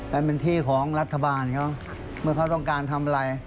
มันเป็นที่ของรัฐบาลเขาเมื่อเขาต้องการทำอะไร